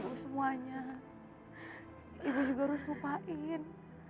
ibu juga harus lupain